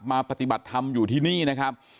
มาปฏิบัติทำอยู่ที่นี่นะครับ